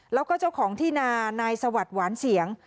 แล้วก็เจ้าของที่นานายสวัสดิ์หวานเสียง